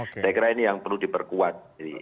saya kira ini yang perlu diperkuat